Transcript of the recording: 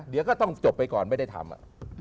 เดี๋ยวก็ต้องจบไปก่อนไม่ได้ทำ